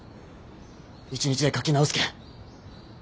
１日で描き直すけん。